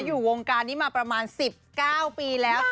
อยู่วงการนี้มาประมาณ๑๙ปีแล้ว